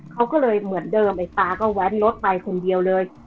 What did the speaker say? เขาก็เลยเหมือนเดิมไอ้ตาก็แว้นรถไปคนเดียวเลย